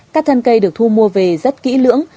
các thân cây được thu mua về rất kỹ lưỡng